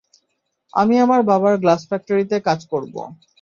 আমি আমার বাবার গ্লাস ফ্যাক্টরিতে কাজ করব।